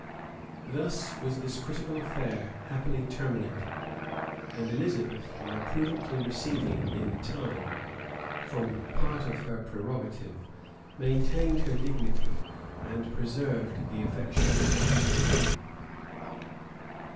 Thus was this critical affair happily terminated; and Elizabeth, by prudently receding, in time, from part of her prerogative, maintained her dignity, and preserved the affections of her people.